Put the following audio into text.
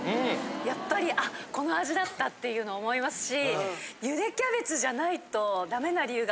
やっぱりこの味だったっていうの思いますし。